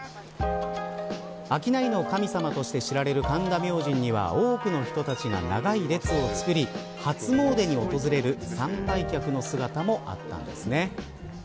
商いの神様として知られる神田明神には多くの人たちが長い列をつくり初詣に訪れる参拝客の姿もあったんですね。